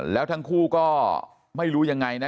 แล้วทั้งคู่ก็ไม่รู้ยังไงนะ